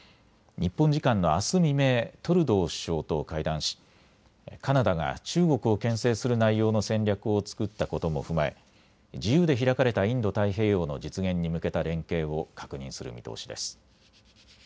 日本時間のあす未明、トルドー首相と会談しカナダが中国をけん制する内容の戦略を作ったことも踏まえ自由で開かれたインド太平洋の実現に向けた連携を確認する見通しです。